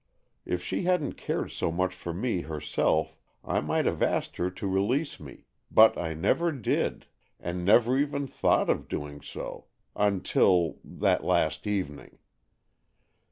If she hadn't cared so much for me herself, I might have asked her to release me; but I never did, and never even thought of doing so—until—that last evening.